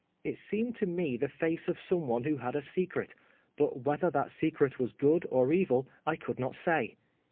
It seemed to me the face of some one who had a secret, but whether that secret was good or evil I could not say.